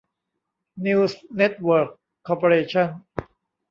นิวส์ เน็ตเวิร์ค คอร์ปอเรชั่น